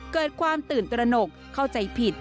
เกิดความตื่นตระหนกเข้าใจผิด